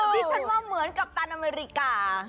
ดิฉันว่าเหมือนกัปตันอเมริกา